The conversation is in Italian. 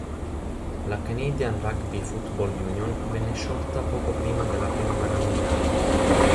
La Canadian Rugby Football Union venne sciolta poco prima della prima guerra mondiale.